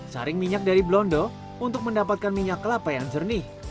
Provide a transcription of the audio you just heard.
saring minyak dari blondo untuk mendapatkan minyak kelapa yang jernih